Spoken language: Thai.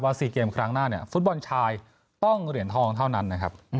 ๔เกมครั้งหน้าเนี่ยฟุตบอลชายต้องเหรียญทองเท่านั้นนะครับ